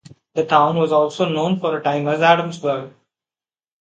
The town was also known for a time as Adamsburg.